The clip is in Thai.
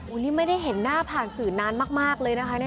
อันนี้ไม่ได้เห็นหน้าผ่านสื่อนานมากเลยนะคะ